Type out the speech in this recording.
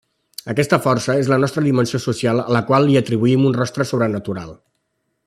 Aquesta força és la nostra dimensió social a la qual li atribuïm un rostre sobrenatural.